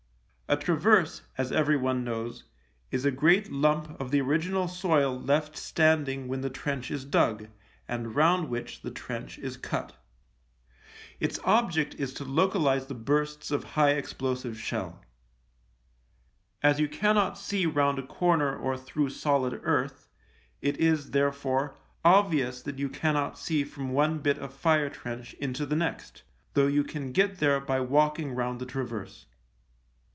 A traverse, as everyone knows, is a great lump of the original soil left standing when the trench is dug, and round which the trench is cut. Its object is to localise the bursts of high explosive shell. As you cannot see round a corner or through solid earth, it is, therefore, obvious that you cannot see from one bit of fire trench into the next, though you can get there by walking round the traverse.